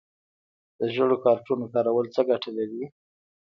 د ژیړو کارتونو کارول څه ګټه لري؟